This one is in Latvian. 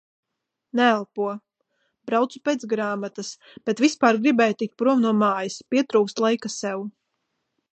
Neelpo. Braucu pēc grāmatas. Bet vispār gribēju tikt prom no mājas. Pietrūkst laika sev.